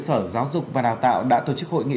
sở giáo dục và đào tạo đã tổ chức hội nghị